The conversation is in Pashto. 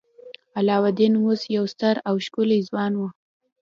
علاوالدین اوس یو ستر او ښکلی ځوان و.